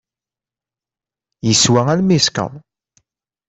Yeswa almi yesker.